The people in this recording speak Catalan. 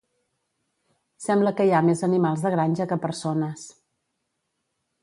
Sembla que hi ha més animals de granja que persones.